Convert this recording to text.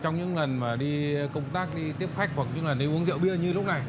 trong những lần mà đi công tác đi tiếp khách hoặc những lần uống rượu bia như lúc này